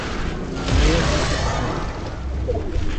Та як же тут славно!